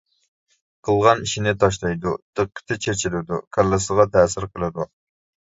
قىلغان ئىشنى تاشلايدۇ، دىققىتى چېچىلىدۇ، كاللىسىغا تەسىر قىلىدۇ.